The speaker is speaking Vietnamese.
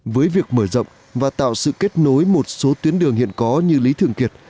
với việc mở rộng và tạo sự kết nối một số tuyến đường hiện có như lý thường kiệt